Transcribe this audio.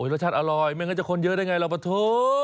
รสชาติอร่อยไม่งั้นจะคนเยอะได้ไงเราปะโถ